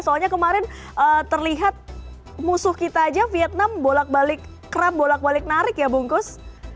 soalnya kemarin terlihat musuh kita aja vietnam bolak balik kram bolak balik narik ya bungkus